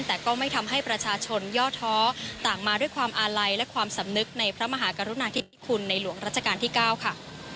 แต่ก็ไม่ทำให้ประชาชนย่อท้อต่างมาด้วยความอาลัยและความสำนึกในพระมหากรุณาธิคุณในหลวงรัชกาลที่๙ค่ะ